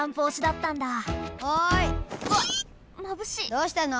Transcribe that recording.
どうしたの？